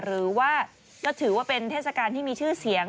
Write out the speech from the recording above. หรือว่าก็ถือว่าเป็นเทศกาลที่มีชื่อเสียง